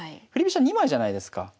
振り飛車２枚じゃないですか。